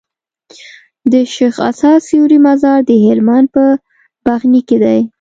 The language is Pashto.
د شيخ اسعد سوري مزار د هلمند په بغنی کي دی